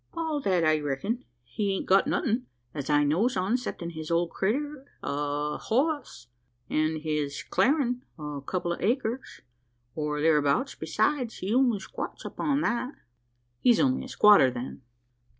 "All that I reckon. He hain't got nothin', as I knows on, 'ceptin' his old critter o' a hoss, an' his clarin' o' a couple o' acres or thereabout; besides, he only squats upon that." "He's only a squatter, then?"